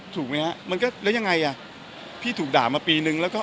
ถูกไหมฮะมันก็แล้วยังไงอ่ะพี่ถูกด่ามาปีนึงแล้วก็